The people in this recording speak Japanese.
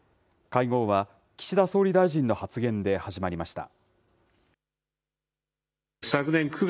会合は、岸田総理大臣の発言で始まりました。